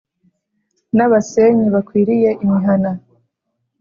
n’abasenyi bakwiriye imihana ,